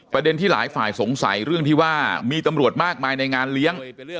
ประเด็นที่หลายฝ่ายสงสัยเรื่องที่ว่ามีตำรวจมากมายในงานเลี้ยง